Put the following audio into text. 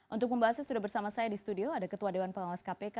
untuk pembahasnya sudah bersama saya di studio ada ketua dewan pengawas kpk